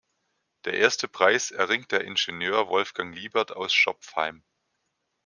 Der erste Preis erringt der Ingenieur Wolfgang Liebert aus Schopfheim.